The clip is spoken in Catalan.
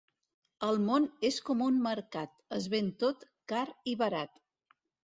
El món és com un mercat: es ven tot, car i barat.